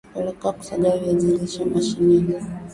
peleka kusaga viazi lishe mashineni